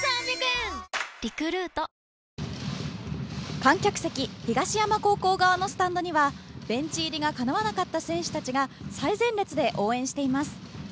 観客席東山高校側のスタンドにはベンチ入りが、かなわなかった選手たちが最前列で応援しています。